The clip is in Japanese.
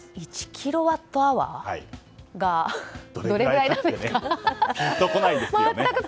１キロワットアワーがどれぐらいなんですか？